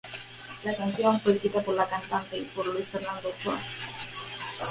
La canción fue escrita por la cantante y por Luis Fernando Ochoa.